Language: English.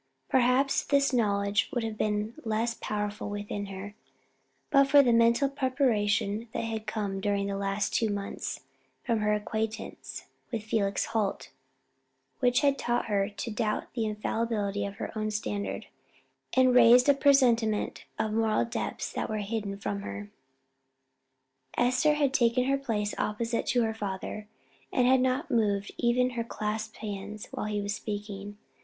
Perhaps this knowledge would have been less powerful within her, but for the mental preparation that had come during the last two months from her acquaintance with Felix Holt, which had taught her to doubt the infallibility of her own standard, and raised a presentiment of moral depths that were hidden from her. Esther had taken her place opposite to her father, and had not moved even her clasped hands while he was speaking.